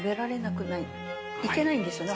いけないんですよね？